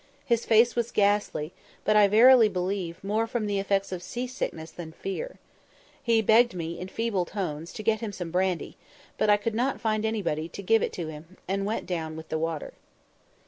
His face was ghastly, but, I verily believe, more from the effects of sea sickness than fear. He begged me, in feeble tones, to get him some brandy; but I could not find anybody to give it to him, and went down with the water.